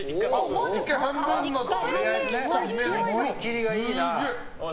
思い切りがいいな。